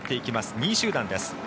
２位集団です。